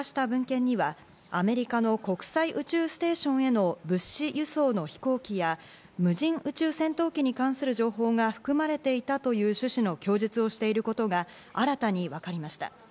その後の捜査関係者への取材で宮坂容疑者がロシア側に渡した文献には、アメリカの国際宇宙ステーションへの物資輸送の飛行機や無人宇宙戦闘機に関する情報が含まれていたという趣旨の供述をしていることが新たにわかりました。